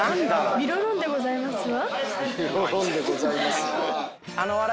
ビロロンでございますわ。